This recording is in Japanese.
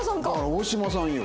大島さんよ。